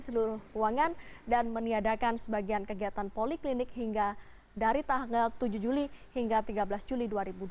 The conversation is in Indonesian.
seluruh ruangan dan meniadakan sebagian kegiatan poliklinik hingga dari tanggal tujuh juli hingga tiga belas juli dua ribu dua puluh